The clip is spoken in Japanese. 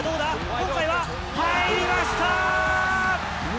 今回は、入りました！